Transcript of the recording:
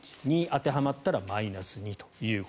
当てはまったらマイナス２。